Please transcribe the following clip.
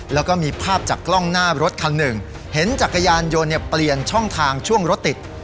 แล้วก็มีภาพจากกล้องหน้ารถคันหนึ่งเห็นจักรยานยนต์เนี่ยเปลี่ยนช่องทางช่วงรถติด